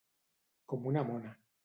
Com una mona.